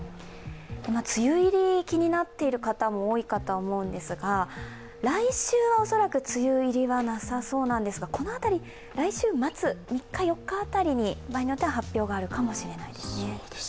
梅雨入りが気になっている方も多いかと思うんですが、来週は恐らく梅雨入りはなさそうなんですが、この辺り、来週末、３日、４日、場合によっては発表があるかもしれないですね。